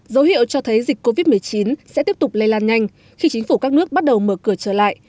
dấu hiệu cho thấy dịch covid một mươi chín sẽ tiếp tục lây lan nhanh khi chính phủ các nước bắt đầu mở cửa trở lại